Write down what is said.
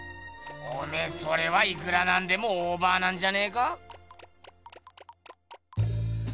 おめえそれはいくらなんでもオーバーなんじゃねえか？